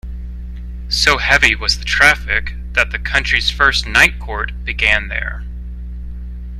So heavy was the traffic, that the country's first night court began there.